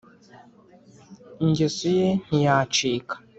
Ingeso ye ntiyacika